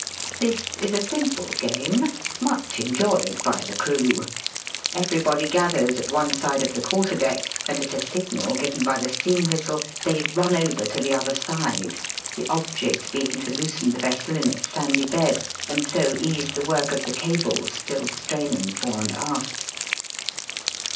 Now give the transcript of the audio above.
This is a simple game much en joyed by the crew* Everybody gathers at one side of the quarter deck, and at a signal given by the steam whistle they run over to the other side, the object being to loosen the vessel in its sandy bed, and so ease the work of the cables still straining fore and aft.